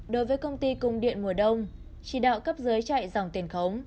đối với công ty cung điện mùa đông chỉ đạo cấp dưới chạy dòng tiền khống